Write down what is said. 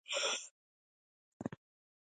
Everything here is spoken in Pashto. ليلما د تړې له سره پړانګ غار ته غلې وه.